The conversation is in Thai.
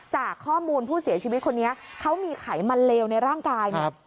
จากข้อมูลผู้เสียชีวิตคนนี้เขามีไขมันเลวในร่างกายเนี่ย